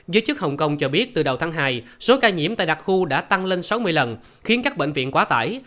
giới chức hồng kông cho biết từ đầu tháng hai số ca nhiễm tại đặc khu đã tăng lên sáu mươi lần khiến các bệnh viện quá tải